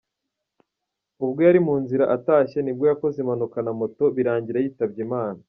Ubwo yari mu nzira atashye ni bwo yakoze impanuka na moto birangira yitabye Imana.